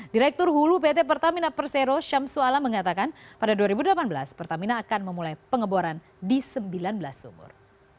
direktur hulu pt pertamina persero syamsuala mengatakan pada dua ribu delapan belas pertamina akan memulai pengeboran di sembilan belas sumur